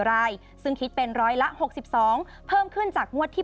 รายซึ่งคิดเป็นร้อยละ๖๒เพิ่มขึ้นจากงวดที่